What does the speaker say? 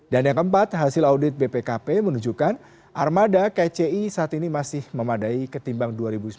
dan yang keempat hasil audit bpkp menunjukkan armada kci saat ini masih memadai ketimbang dua ribu sembilan belas